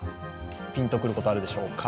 ピンと来ること、あるでしょうか。